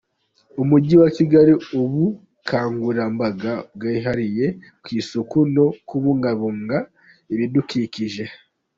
Umugi wa Kigali Ubukangurambaga bwihariye ku isuku no kubungabunga ibidukikije